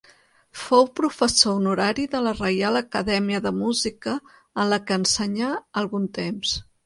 Fou professor honorari de la Reial Acadèmia de Música, en la que ensenyà algun temps.